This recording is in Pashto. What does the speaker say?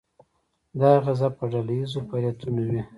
دا اغیزه په ډله ییزو فعالیتونو وي.